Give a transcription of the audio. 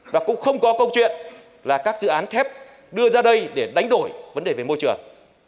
và cũng không có câu chuyện là các dự án thép đưa ra đây để đánh đổi vấn đề về môi trường